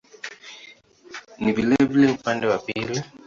Ni vilevile upande wa pili.